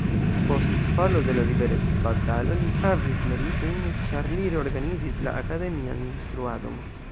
Post falo de la liberecbatalo li havis meritojn, ĉar li reorganizis la akademian instruadon.